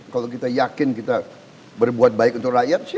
kalau kita yakin kita berbuat baik untuk rakyat